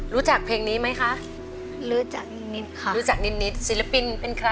รู้จักเพลงนี้ไหมคะ